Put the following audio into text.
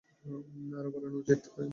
আরও বাড়ানো উচিত নয়।